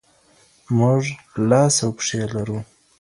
موږ لاس او پښې لرو.